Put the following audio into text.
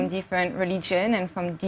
dari religi yang berbeda